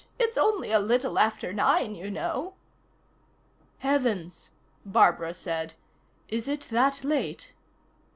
It's only a little after nine, you know." "Heavens," Barbara said. "Is it that late?"